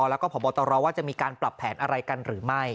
แล้วก็พบตรว่าจะมีการปรับแผนอะไรกันหรือไม่